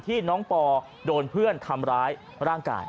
ที่น้องปอโดนเพื่อนทำร้ายร่างกาย